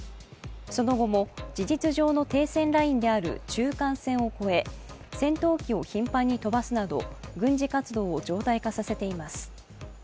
その後も事実上の停戦ラインである中間線を越え中間線を越え戦闘機を頻繁に飛ばすなど軍事活動を常態化させています。